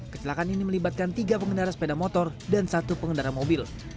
kecelakaan ini melibatkan tiga pengendara sepeda motor dan satu pengendara mobil